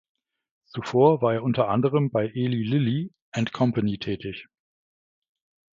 Zuvor war er unter anderem bei Eli Lilly and Company tätig.